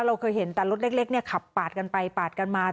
เราเคยเห็นแต่รถเล็กเนี่ยขับปาดกันไปปาดกันมา